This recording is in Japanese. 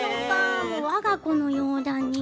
我が子のようだね。